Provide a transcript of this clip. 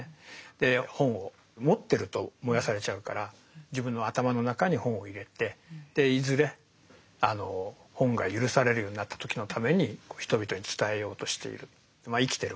で本を持ってると燃やされちゃうから自分の頭の中に本を入れていずれ本が許されるようになった時のために人々に伝えようとしている。